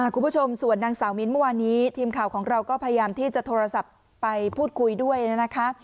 คุณผู้ชมส่วนนางสาวมิ้นท์เมื่อวานนี้ทีมข่าวของเราก็พยายามที่จะโทรศัพท์ไปพูดคุยด้วยนะคะ